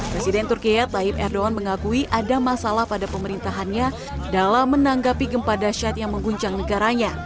presiden turkiye tayyip erdogan mengakui ada masalah pada pemerintahannya dalam menanggapi gempa dasyat yang mengguncang negaranya